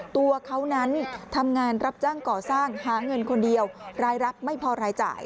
ตัวเขานั้นทำงานรับจ้างก่อสร้างหาเงินคนเดียวรายรับไม่พอรายจ่าย